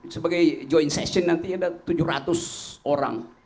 sebagai joint session nanti ada tujuh ratus orang